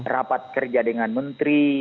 rapat kerja dengan menteri